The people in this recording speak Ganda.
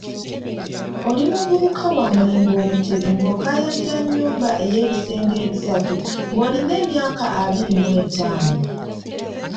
Oli muvubuka wa mulembe Omutebi ng'okaayanira nnyumba ey'ebisenge ebisatu ng'olina emyaka abiri mu etaano.